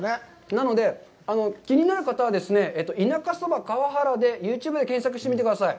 なので、気になる方は、田舎そば川原でユーチューブで検索してみてください。